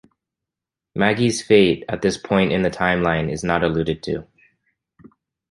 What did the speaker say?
Maggie's fate at this point in the time-line is not alluded to.